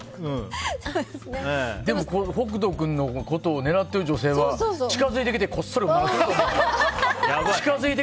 でも、北斗君のことを狙ってる女性は近づいてきてこっそりするかも分からない。